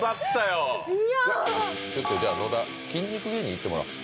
ちょっとじゃあ野田筋肉芸人いってもらおう。